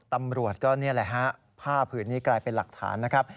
ตำรวจก็นี่แหละฮะผ้าผืนนี้กลายเป็นหลักฐานนะครับ